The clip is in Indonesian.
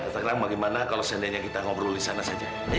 sekarang bagaimana kalau seandainya kita ngobrol di sana saja